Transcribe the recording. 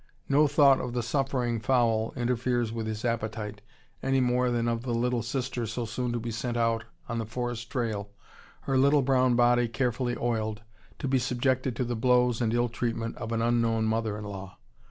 No thought of the suffering fowl interferes with his appetite, any more than of the little sister so soon to be sent out on the forest trail, her little brown body carefully oiled, to be subjected to the blows and ill treatment of an unknown mother in law.